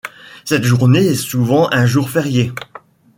Cette journée est souvent un jour férié.